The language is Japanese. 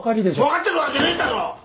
わかってるわけねえだろ！